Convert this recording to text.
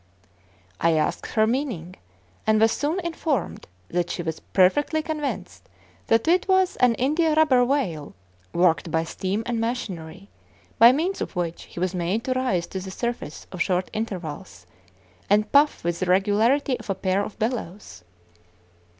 I asked her meaning, and was soon informed that she was perfectly convinced that it was an india rubber whale, worked by steam and machinery, by means of which he was made to rise to the surface at short intervals, and puff with the regularity of a pair of bellows.